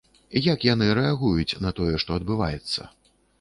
Як яны рэагуюць на тое, што адбываецца?